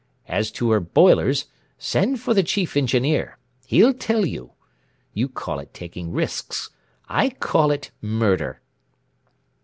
As to her boilers send for the Chief Engineer. He'll tell you. You call it taking risks; I call it murder!"